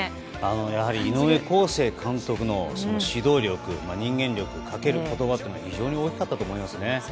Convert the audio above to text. やはり井上康生監督の指導力人間力、かける言葉というのが非常に大きかったと思います。